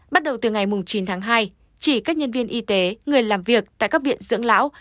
bắt đầu từ ngày chín tháng hai chỉ các nhân viên y tế người làm việc tại các viện dưỡng lão